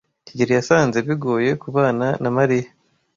kigeli yasanze bigoye kubana na Mariya.